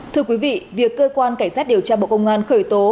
thưa quý vị việc cơ quan cảnh sát điều tra bộ công an khởi tố